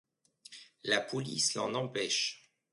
La police l'en empêche.